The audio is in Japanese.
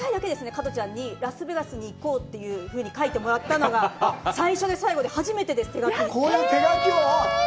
加トちゃんに“ラスベガスに行こう”って書いてもらったのが最初で最後で初めてです手書き。